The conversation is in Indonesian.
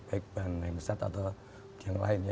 baik ban nemsat atau yang lain